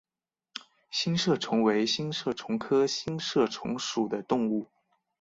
星射虫为星射虫科星射虫属的动物。